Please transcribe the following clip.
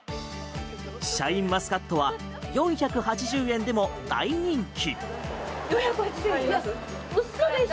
シャインマスカットは４８０円でも大人気。